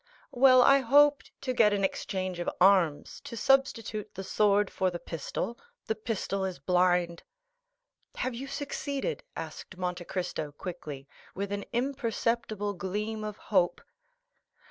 "Well, I hoped to get an exchange of arms,—to substitute the sword for the pistol; the pistol is blind." "Have you succeeded?" asked Monte Cristo quickly, with an imperceptible gleam of hope.